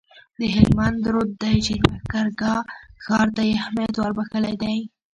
د هلمند رود دی چي د لښکرګاه ښار ته یې اهمیت وربخښلی دی